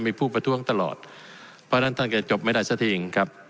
ไปท่วงตลอดเพราะฉะนั้นท่านจะจบไม่ได้สักทีอีกครับ